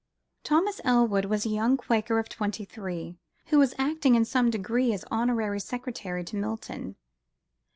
Thomas Elwood was a young Quaker of twenty three, who was acting in some degree as honorary secretary to Milton.